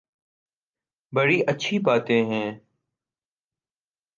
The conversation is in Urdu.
بڑی اچھی باتیں ہیں۔